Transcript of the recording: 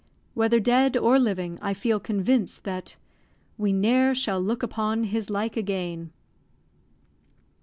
Whether dead or living, I feel convinced that "We ne'er shall look upon his like again."